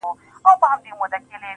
پر تندي يې شنه خالونه زما بدن خوري,